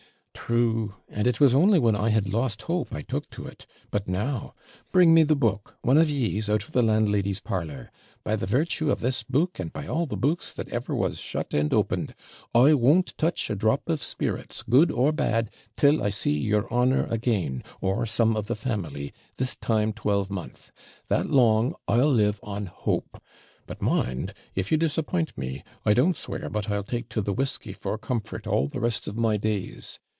'True! And it was only when I had lost hope I took to it but now! Bring me the book, one of YEES, out of the landlady's parlour. By the virtue of this book, and by all the books that ever was shut and opened, I won't touch a drop of spirits, good or bad, till I see your honour again, or some of the family, this time twelvemonth that long I'll live on hope but mind, if you disappoint me, I don't swear but I'll take to the whisky, for comfort, all the rest of my days.